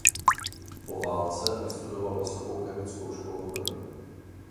Po válce vystudoval vysokou chemickou školu v Brně.